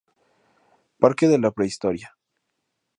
Parque de la Prehistoria